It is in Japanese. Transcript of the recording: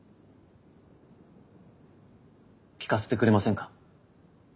聞かせてくれませんか？